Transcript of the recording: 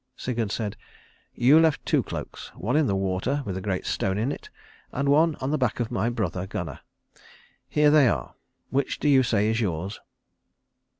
Sigurd said, "You left two cloaks, one in the water with a great stone in it, and one on the back of my brother Gunnar. Here they are. Which do you say is yours?"